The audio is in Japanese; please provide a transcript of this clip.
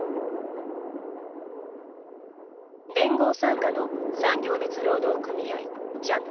連合傘下の産業別労働組合「ＪＡＭ」。